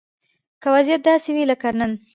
که وضيعت داسې وي لکه نن